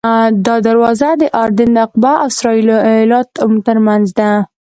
دا دروازه د اردن د عقبه او اسرائیلو ایلات ترمنځ ده.